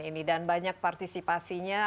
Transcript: ini dan banyak partisipasinya